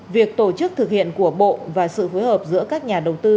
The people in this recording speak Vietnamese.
việc tổ chức thực hiện của bộ và sự phối hợp giữa các nhà đầu tư